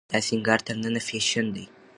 دا سينګار تر ننه فېشن دی.